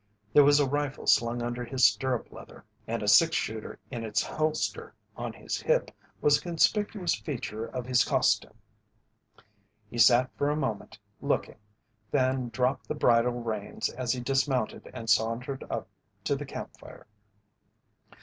There was a rifle slung under his stirrup leather, and a six shooter in its holster on his hip was a conspicuous feature of his costume. He sat for a moment, looking, then dropped the bridle reins as he dismounted and sauntered up to the camp fire.